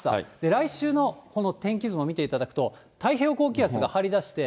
来週のこの天気図も見ていただくと、太平洋高気圧が張りだして。